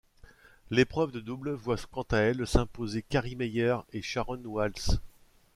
L'épreuve de double voit quant à elle s'imposer Carrie Meyer et Sharon Walsh.